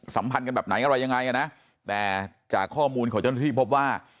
สัมพันธ์กันแบบไหนอะไรยังไงอ่ะนะแต่จากข้อมูลของเจ้าหน้าที่พบว่า